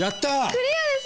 クリアです！